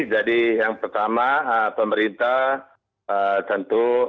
jadi yang pertama pemerintah tentu